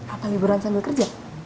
apa liburan sambil kerja